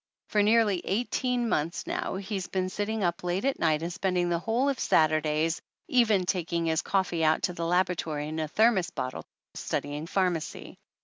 For nearly eighteen months now he's been sitting up late at night and spend ing the whole of Saturdays, even taking his coffee out to the laboratory in a thermos bottle, studying pharmacy.